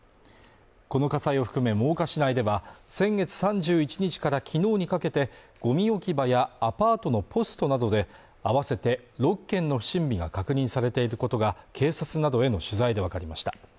この火災を含め真岡市内では先月３１日からきのうにかけてゴミ置き場やアパートのポストなどで合わせて６件の不審火が確認されていることが警察などへの取材で分かりました